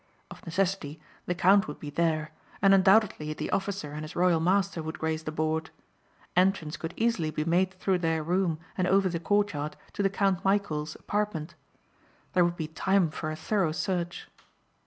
Of necessity the count would be there and undoubtedly the officer and his royal master would grace the board. Entrance could easily be made through their room and over the courtyard to the Count Michæl's apartment. There would be time for a thorough search.